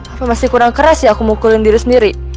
apa masih kurang keras ya aku mukulin diri sendiri